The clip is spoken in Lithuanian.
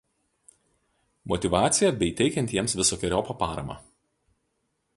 motyvaciją bei teikiant jiems visokeriopą paramą